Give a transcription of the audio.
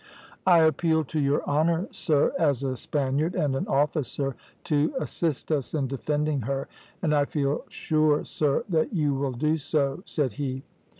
"`I appeal to your honour, sir, as a Spaniard and an officer, to assist us in defending her, and I feel sure, sir, that you will do so,' said he.